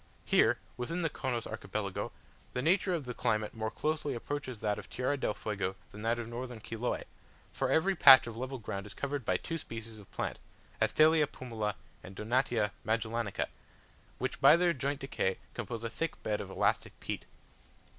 Here, within the Chonos Archipelago, the nature of the climate more closely approaches that of Tierra del Fuego than that of northern Chiloe; for every patch of level ground is covered by two species of plants (Astelia pumila and Donatia magellanica), which by their joint decay compose a thick bed of elastic peat.